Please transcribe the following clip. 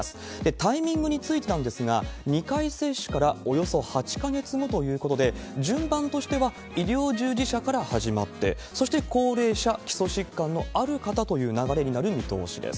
タイミングについてなんですが、２回接種からおよそ８か月後ということで、順番としては医療従事者から始まって、そして高齢者、基礎疾患のある方という流れになる見通しです。